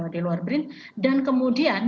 di luar brin dan kemudian